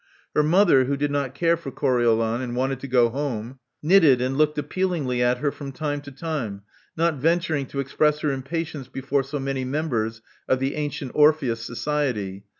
Her mother, who did not care for Coriolan, and wanted to go home, knitted and looked appealingly at her from time to time, not venturing to express her impatience before so many members of the Antient Orpheus Society.